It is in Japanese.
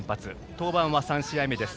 登板は３試合目です。